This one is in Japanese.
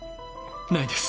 ないです。